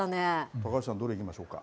高橋さん、どれいきましょうか。